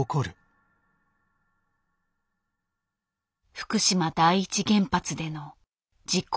福島第一原発での事故。